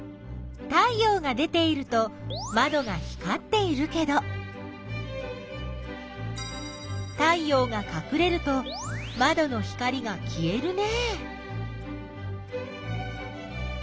太陽が出ているとまどが光っているけど太陽がかくれるとまどの光がきえるね。